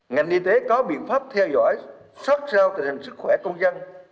ngành y tế có biện pháp theo dõi sát sao tình hình sức khỏe công dân